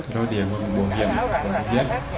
rồi điểm vào bộ dạng